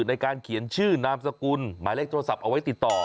ในการเขียนชื่อนามสกุลหมายเลขโทรศัพท์เอาไว้ติดต่อ